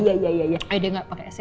ayo deh gak pake es ya